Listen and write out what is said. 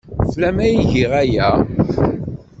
Fell-am ay giɣ aya.